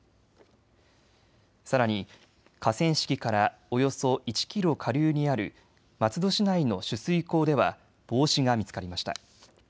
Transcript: さらに河川敷からおよそ１キロ下流にある松戸市内の取水口では帽子が見つかりました。